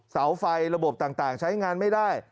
เสาไฟระบบต่างใช้งานไม่ได้